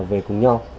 về cùng nhau